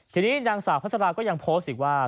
ทีนี้นางสาวพัสราก็ยังโพสต์อีกว่า